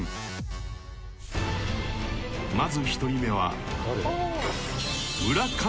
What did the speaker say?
［まず１人目は］